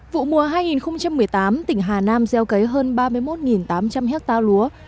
vụ mùa hai nghìn một mươi tám tỉnh hà nam gieo cấy hơn ba mươi một tám trăm linh hectare lúa